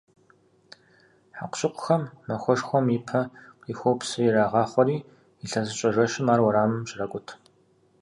Хьэкъущыкъухэм махуэшхуэм и пэ къихуэу псы ирагъахъуэри, илъэсыщӀэ жэщым ар уэрамым щракӀут.